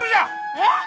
えっ！